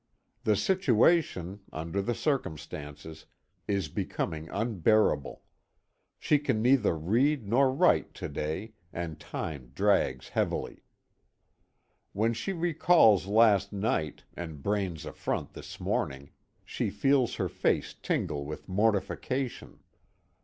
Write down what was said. The situation under the circumstances is becoming unbearable. She can neither read nor write to day, and time drags heavily. When she recalls last night, and Braine's affront this morning, she feels her face tingle with mortification.